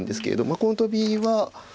このトビは。